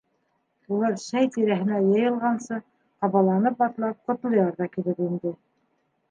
Улар сәй тирәһенә йыйылғансы, ҡабаланып атлап Ҡотлояр ҙа килеп инде.